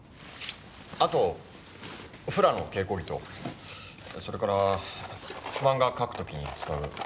あとフラの稽古着とそれから漫画描く時に使うペンとか。